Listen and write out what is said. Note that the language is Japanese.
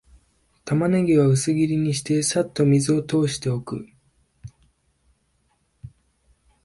タマネギは薄切りにして、さっと水を通しておく